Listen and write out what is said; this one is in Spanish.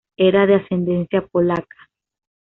Era de ascendencia polaca.